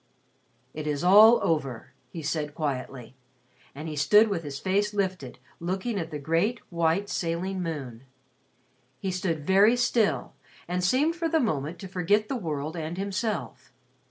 "It is all over," he said quietly. And he stood with his face lifted, looking at the great white sailing moon. He stood very still and seemed for the moment to forget the world and himself.